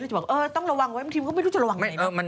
เราจะบอกเออต้องระวังไว้ทีมก็ไม่รู้จะระวังไหน